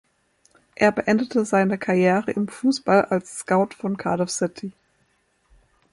Er beendete seine Karriere im Fußball als Scout von Cardiff City.